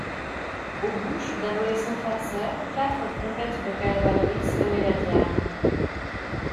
Aux bouches d'adolescents farceurs, quatre trompettes de cavalerie sonnaient la diane.